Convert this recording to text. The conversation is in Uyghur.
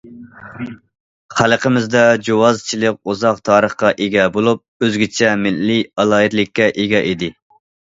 خەلقىمىزدە جۇۋازچىلىق ئۇزاق تارىخقا ئىگە بولۇپ، ئۆزگىچە مىللىي ئالاھىدىلىككە ئىگە ئىدى.